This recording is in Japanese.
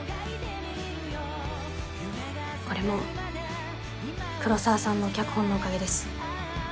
これも黒澤さんの脚本のおかげです。